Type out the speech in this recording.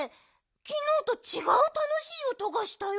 きのうとちがうたのしいおとがしたよ。